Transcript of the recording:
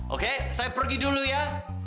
oke saya pergi dulu ya